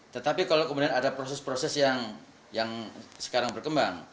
tetapi kalau kemudian ada proses proses yang sekarang berkembang